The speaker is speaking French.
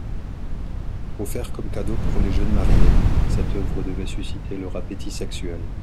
Offert comme cadeau pour les jeunes mariés, cette œuvre devait susciter leur appétit sexuel.